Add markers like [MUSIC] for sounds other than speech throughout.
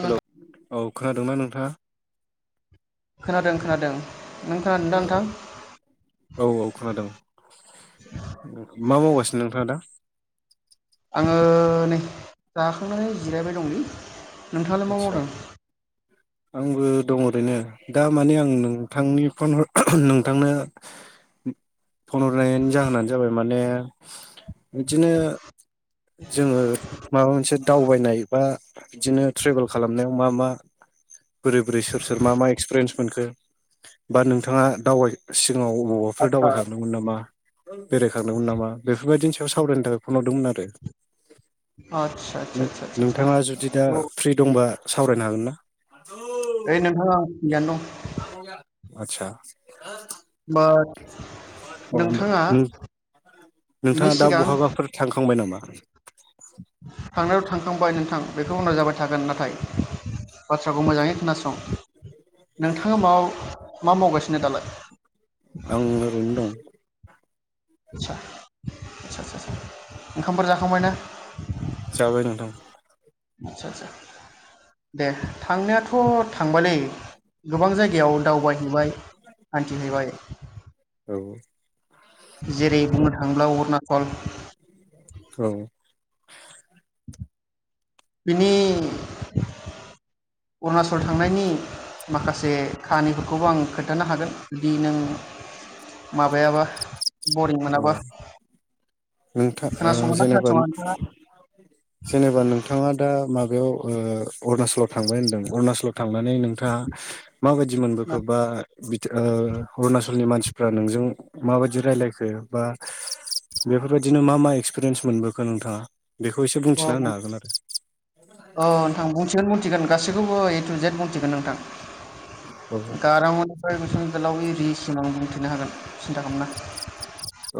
hello औ खोनादों ना नों नोंथाङा खोनादों खोनादों नों खोनादों दा औ नोंथां औ औ खोनादों मा मावगासिनो नोंथाङा दा आङो नै जाखांनानै जिरायबाय दंलै नोंथाङालाय मा आदसा मावदों आंबो दं ओरैनो दा माने आं नोंथांनि फन नोंथांनो फन हरनायनि जाहोनानो जाबाय माने [INAUDIBLE] बिदिनो जोङो माबा मोनसे दावबायनाय बा बिदिनो ट्रेभेल खालामनायाव मा मा [INAUDIBLE] बोरै बोरै सोर मा मा एक्सपिरियेन्स मोनखो बा नोंथाङा दावबाय सिगाङाव अबावबाफोर दावबायखांदोंमोन नामा बेरायखांदोंमोन नामा बेफोरबायदिनो सावरायनो थाखाय फन हरदोंमोन आरो आदसा आदसा आदसा आदसा आदसा नोंथाङा जुदि दा औ फ्रि दंबा सावरायनो हागोन ना औ नोंथां आं थिगानो दं आतसा बाट होमबा नोंथाङा बिनि नोंथाङा दा सिगां बहाबाफोर थांखांबाय नामा [INAUDIBLE] थांनायाथ' थांखांबाय नोंथां बे बेखौ [UNINTELLIGIBLE] थागोन नाथाय बाथ्राखौ मोजाङै खोनासं नोंथाङा माबाफोर मा मावगासिनो दालाय आं ओरैनो दं आतसा आतसा सा सा ओंखामफोर जाखांबाय ना जाबाय नोंथां आतसा सा दे थांनायाथ' थांबायलै गोबां जायगायाव दावबायहैबाय हान्थिबाय औ जेरै बुंनो थाङोब्ला अरुनाचल फन औ बिनि अरुनाचल थांनायनि माखासे काहानिफोरखौबो आं खोन्थानो हागोन जुदि नों माबायाबा बरिं मोनाबा थ खोनासंगोना जेनेबा खोनासङा नोंथाङा जेनेबा नोंथाङा दा माबा बेयाव ओ अरुनाचलाव थांबाय होनदों अरुनाचलाव थांनानै नोंथाङा माबायदि मोनबोखोबा अरुनाचलनि मानसि नोंजों माबायदि रायलायखो बा बेफोरबायदिनो मा मा एक्सपिरियेन्स मोनबोखो नोंथाङा बेखौ एसे अ बुंथिना होनो हागोन आरो अ नोंथां बुंथिगोन बुंथिगोन गासैखौबो ए टु जेट बुंथिगोन औ नोंथां गारां अ निफ्राय गुसुं इ गोलाव इ रिसिम आं बुंथिनो हागोन सिन्था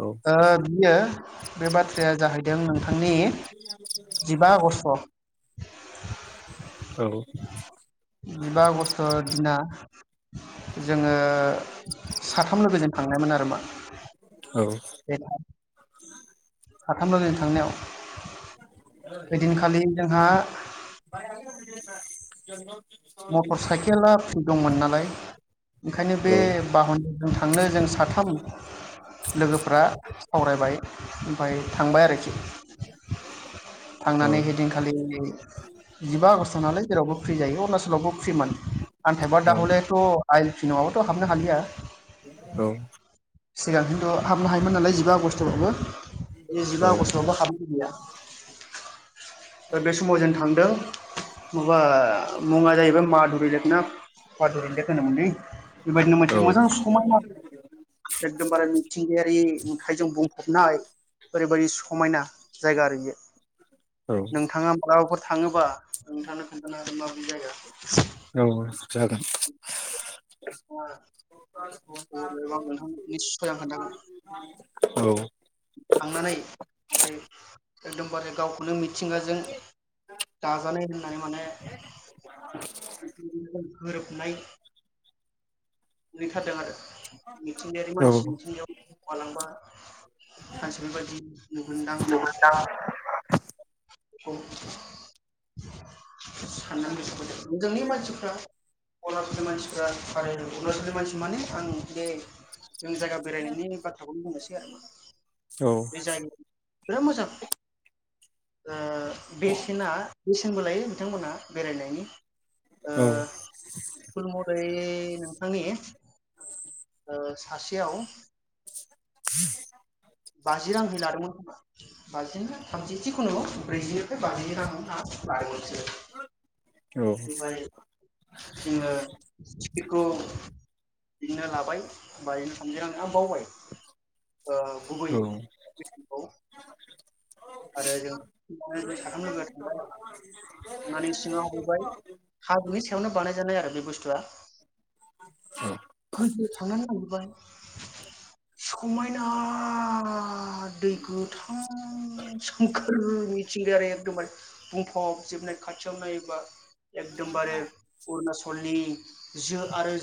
औ बियो बे बाथ्राया जाहैदों आंनि जिबा आगष्ट औ जिबा आगष्ट दिना [INAUDIBLE] जोङो साथाम लोगोजों थांनायमोन आरो मा औ [UNINTELLIGIBLE] साथाम बाजिजों थांनायाव ओइदिनखालि जोंहा [UNINTELLIGIBLE] मटर साइकेला फ्रि दंमोन नालाय ओंखायनो औ बे बाहानाजों थांनो जों साथाम लोगोफ्रा सावरायबाय ओफाय थांबाय आरोखि थांनानै औ हैदिनखालि जिबा आगस्ट नालाय जेरावबो फ्रि जायो अरनाचल आवबो फ्रिमोन आनथाइबा दा हले थ आइ न'आवबोथ' हाबनो हालिया औ सिगांथ हाबनो हायोमोन नालाय जों जिबा आगष्टआवबो बे जिबा आगष्टआवबो हाबनाय गैया दा बे समाव जों थांदों माबा मुङा जाहैबाय मादुरिलेकना मधुरिलेक होनोमोनलै बेबायदिनो मोनसे औ मोजां समायना एकदमबारे मिथिंगायारि नुथाइजों बुं हाबनाय ओरैबायदि समायना जायगा आरो बियो औ नोंथाङा मालाबाफोर थाङोबा नोंथांनो खोन्थानो आरो मा औ जागोन अबेबा नोंथांनि [UNINTELLIGIBLE] खोन्थागोन औ थांनानै ओमफ्राय एकदमबारे गाव खुनु मिथिंगाजों दाजानाय होननानै माने गोरोबनाय नुैहैथारदों आरो मिथिंगायारि औ मानसि मिथिंगायाव मलाबा मानसे बेबायदि नुगोनदां औ [INAUDIBLE] साननानै गोसोब जोंनि मानसिफ्रा अलाबनि मानसि [UNINTELLIGIBLE] मानसि माने आं बे जों जायगा बेरायनायनि बाथ्राखौनो बुंनोसै आरो ना औ बे जायगाया बिराद मोजां दा बेसेना बे बो लायो बिथांमोनहा बेरायनायनि ओ थुल मरै [UNINTELLIGIBLE] ओ सासेयाव [INAUDIBLE] बाजि रांहै लादोंमोन खोमा बाजि ना थामजि जिखुनु [UNINTELLIGIBLE] बेनिफ्राय जोङो टिकेटखौ बिदिनो लाबाय [UNINTELLIGIBLE] आं बावबाय गुबै [UNINTELLIGIBLE] औ आरो जों जों साथाम लोगोआ थांबाय आरो थांनानै सिङाव हाबहैबाय हानि सायावनो बानायजानाय आरो बे बुस्थुआ गोजौआव थांनानै नागिरबाय समायना आरो दै गोथां सोमखोर मिथिंगायारि एखदम बुंफबजोबनाय खाथियाव नायोबा एकदमबारे अरुनाचलनि जो आरो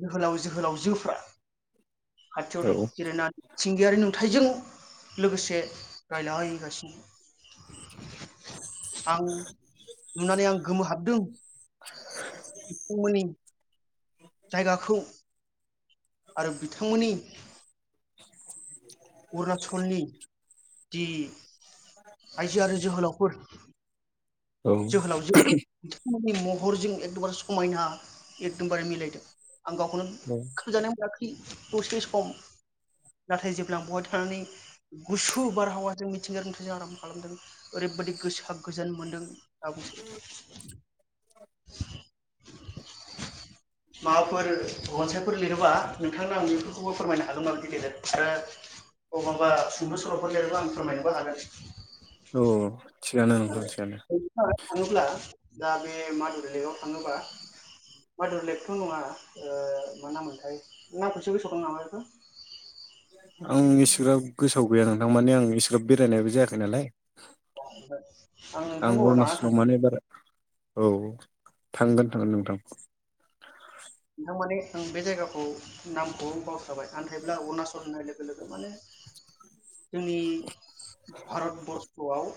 जोहोलाव जोहोलावजोफ्रा औ खाथियाव जेरायना मिथिंगायारि नुथाइजों लोगोसे रायलायगासिनो आं नुनानै आं गोमो हाबदों बिथांमोननि जायगाखौ आरो बिथांमोननि अरुनाचलनि जि आइजो आरो जोहोलावफोर जोहोलावजो महरजों एकदमबारे समायना एकदमबारे मिलायदों आं गावखौनो खोमजानाय मोनाखै दसे सम नाथाय जेब्ला बेहाय थानानै गुसु बारहावाजों मिथिंगायारिथिजों आराम खालामदों ओरैबायादि गोसोआ गोजोन मोनदों माबाफोर रनसायफोर लिरोबा नोंथांनो आं बेफोरखौबो फोरमायनो हागोन आरोखि गेदेर आरो बबावबा सुंद' सल'फोर लिरोबा आं फोरमायनोबो हागोन औ थिगानो नोंथां थिगानो थाङोब्ला दा बे मादुरि लेकआव थाङोबा मादुर लेकथ' नङा मा नाम मोनथाय नामखौसो गोसोआव दं नामा बेखौ आं इसिग्राब गोसोआव गैया नोंथां माने आं इसिग्राब बेरायनायबो जायाखै नालाय ओमफ्राय आं नोंथांखौ लाना अरुणाचलाव थांनो माने बारा औ थांगोन थांगोन नोंथां नोंथां माने आं बे जायगाखौ नामखौ बावस्राबाय नाथायब्ला अरुनाचल होननाय लोगो लोगो माने जोंनि भारतबर्स'आव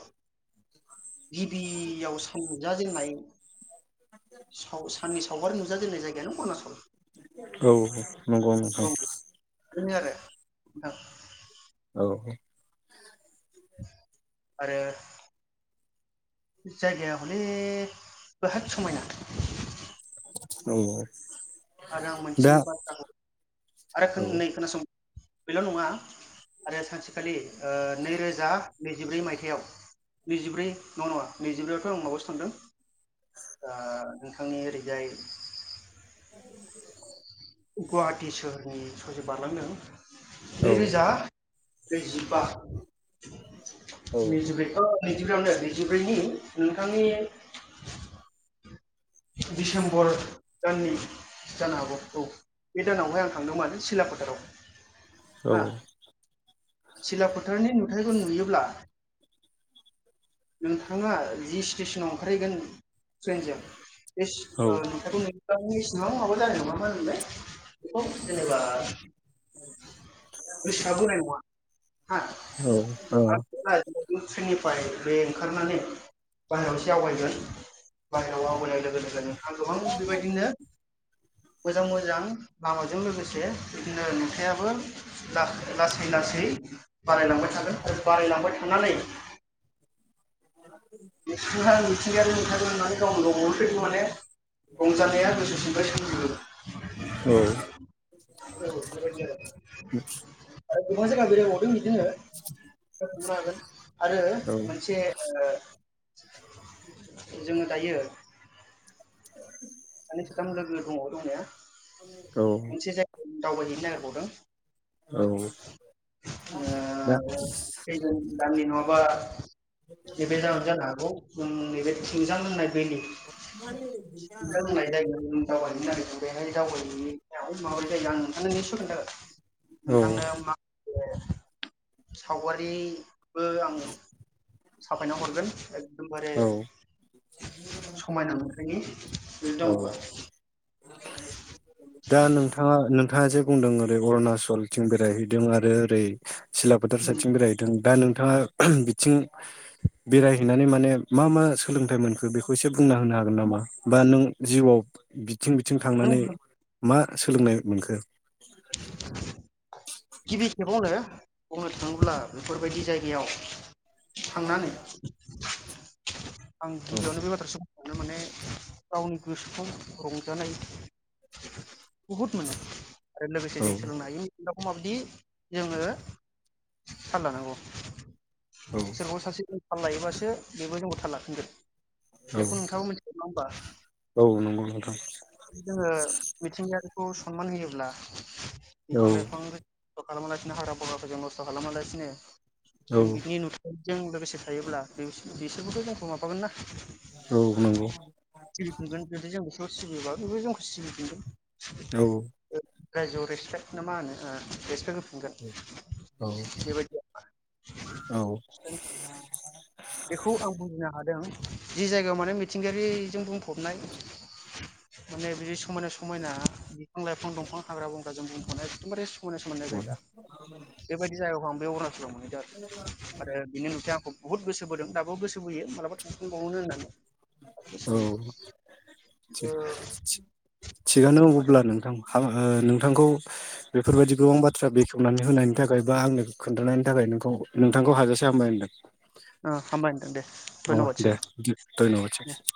गिबियाव सानजाजेननाय साननि सावगारि नुजा जेननाय जायगायानो अरुनाचल औ नंगौ नंगौ बिदिनो आरो नोंथां औ आरो जायगाया हले बहत समायना औ आरो आं दा मोनसे बाथ्राखौ औ आरो नै खोनासं बेल' नङा आरो सानसेखालि ओ नैरोजा नैजिब्रै मायथाइयाव नैजिब्रै नङा नङा नैजिब्रैयावथ' आं माबायावसो थांदों ओ नोंथांनि ओरैजाय गुवाहाटि सोहोरनि ससे बारलांदों नै औ रोजा नैजिबा औ निजिब्रैखौ नैजिब्रैआवनो नैजिब्रैनि नोंथांनि दिडसेम्बर दाननि जानो हागौ औ बे दानावहाय आं थांदों मानो सिला फोथाराव औ सिला फोथारनि नुथाइखौ नुयोब्ला नोंथाङा जि स्टेसनाव ओंखारहैगोन ट्रेइनजों बे औ सिन नुथायखौ नुयोब्लानो बेसेबां माबा जानाय नङा मा होनोमोनलाय जेनेबा गोसोआ बोनाय नङा हा औ आ ट्रेइननिफ्राय बे ओंखारनानै बाहेराव एसे आवगायगोन बाहेराव आवगायनाय लोगो लोगोनो आं गोबां बेबायदिनो मोजां मोजां लामाजों लोगोसे बिदिनो नुथायाबो लासै लासै बारायलांबाय थागोन आरो बारायलांबाय थानानै जेसेबां मिथिंगायारि नुथायखौ नुनुनै गावनो गावखौ माने रंजानाया गोसोसिंनि [UNINTELLIGIBLE] औ औ आरो गोबां जायगा बेरायबावदों बिदिनो थांनो हागोन आरो मोनसे जोङो दायो औ सानै साथाम [UNINTELLIGIBLE] औ मोनसे जायगायाव दावबायहैनो नागिरबावदों दा फैगोन दाननि नङाबा नैबे दानावनो जानो हागौ जों नैबे थुमजां होननाय [INAUDIBLE] थुमजां होननाय जायगायाव जों दावबायहैनो नागिरदों बेहाय दावबाय हैनायाव माबोरै जायो आं नोंथांनो निसय खोन्थागोन औ नोंथांनो मा ए सावगारिबो आङो साफायना हरगोन एकदमबारे औ समायना नखरनि औ बेलदामबा दा नोंथाङा नोंथाजों बुंदों ओरै अरुणचलथिं बेरायहैदों आरो ओरै सिलाफोथार साइडथिं बेरायहैदों दा नों बिथाङा बिथिं बेरायहैनानै माने मा मा सोलोंथाइ मोनखो बेखौ एसे बुंना होनो हागोन नामा बा नों जिउआव बिथिं बिथिं नों थांनानै मा सोलोंनाय मोनखो गिबि खेबाव आरो बुंनो थाङोब्ला बेफोरबायदि जायगायाव थांनानै [INAUDIBLE] आं औ गिबियावनो बे बाथ्रा माने गावनि गोसोखौ रंजानाय बहुत मोनो जों लोगोसे औ जों सोलोंनाय दाव माबायदि जोङो थाल लानांगौ औ सोरखौबा सासे थाल लायोबासो बेबो जोंबो थाल लाफिनगोन बेखौ नोंथाङाबो मिथिगौ नङा होमबा औ औ नंगौ नोंथां जोङो मिथिंगानि सनमान होयोब्ला औ बिफां लाइफां खालामालासिनो हाग्रा बगारखौ जों नस्थ' खालामालासिनो औ बिनि नुथाय जों लोगोसे थायोब्ला बिसोरबोथ' जोंखौ माबागोन ना औ नंगौ [UNINTELLIGIBLE] [UNINTELLIGIBLE] बयबो जों खुसि औ रायजोआव रेसपेक्ट ना मा होनो रेसपेक्ट होफिनगोन औ बेबायदि औ बेखौ आं बुजिनो हादों जि जायगायाव माने मिथिंगायारिजों बुंफबनाय माने बे समायना समायना बिफां लाइफां दंफां हाग्रा बग्राजों बुंब'नाय एकदमबारे समायना समायना औ जायगा बेबायदि जायगाखौ आं बे अरुनाचलाव मोनहैदों आरो बिनि नुथाया आंखौ बहुद गोसो बोदों दाबो गोसो बोयो मालाबा थांफिनबावनो होननानै गोसो औ बोयो ओ थिगानो माथो अब्ला नोंथां [UNINTELLIGIBLE] नोंथांखौ बेफोरबायदि गोबां बाथ्रा बेखेवनानै होनायनि थाखाय बा आंनो खोन्थानायनि थाखाय नोंखौ नोंथांखौ हाजासे हामबाय होनदों अ हामबाय होनदों दे औ दे धयनबाद धन्यबादसै